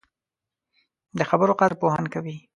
د خبرو قدر پوهان کوي